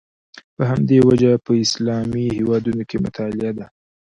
په همدې وجه په اسلامي هېوادونو کې مطالعه ده.